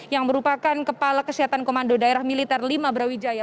yang merupakan kepala kesehatan komando daerah militer lima brawijaya